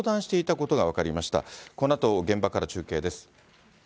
このあと現場から中継です。